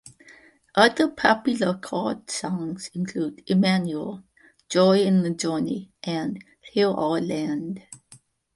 Other popular Card songs include "Immanuel", "Joy in the Journey", and "Heal Our Land".